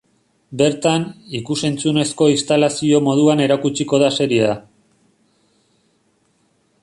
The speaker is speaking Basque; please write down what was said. Bertan, ikus-entzunezko instalazio moduan erakutsiko da seriea.